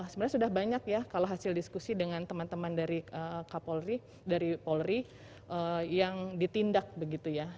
sebenarnya sudah banyak ya kalau hasil diskusi dengan teman teman dari polri yang ditindak begitu ya